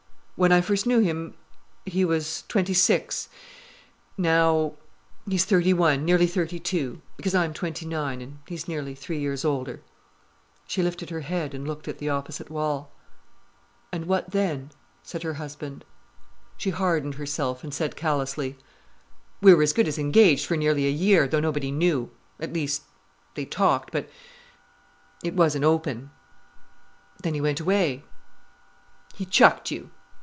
"When I first knew him, he was twenty six—now—he's thirty one—nearly thirty two—because I'm twenty nine, and he is nearly three years older——" She lifted her head and looked at the opposite wall. "And what then?" said her husband. She hardened herself, and said callously: "We were as good as engaged for nearly a year, though nobody knew—at least—they talked—but—it wasn't open. Then he went away——" "He chucked you?"